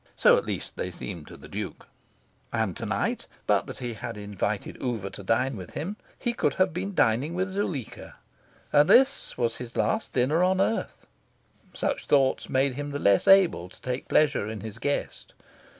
So, at least, they seemed to the Duke. And to night, but that he had invited Oover to dine with him, he could have been dining with Zuleika. And this was his last dinner on earth. Such thoughts made him the less able to take pleasure in his guest.